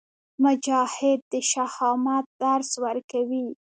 مجاهد د شهامت درس ورکوي.